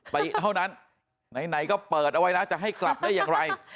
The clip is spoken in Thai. ไปเท่านั้นไหนก็เปิดอร่อยนะจะให้กลับได้อย่างไร